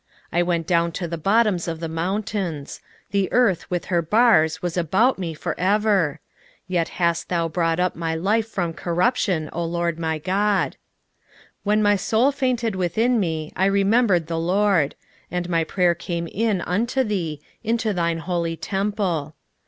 2:6 I went down to the bottoms of the mountains; the earth with her bars was about me for ever: yet hast thou brought up my life from corruption, O LORD my God. 2:7 When my soul fainted within me I remembered the LORD: and my prayer came in unto thee, into thine holy temple.